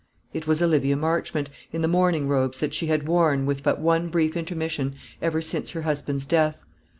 It was Olivia Marchmont, in the mourning robes that she had worn, with but one brief intermission, ever since her husband's death.